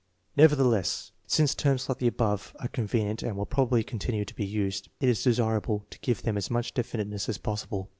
Nevertheless, since terms like the above are convenient and will probably continue to be used, it is desirable to give them as much definiteness as possible.